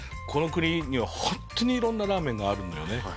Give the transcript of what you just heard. この国にはホントに色んなラーメンがあるのよね